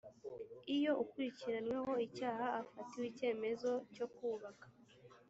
iyo ukurikiranyweho icyaha afatiwe icyemezo cyo kubaka